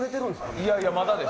いやいや、まだです。